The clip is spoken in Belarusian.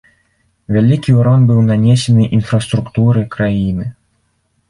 Вялікі ўрон быў нанесены інфраструктуры краіны.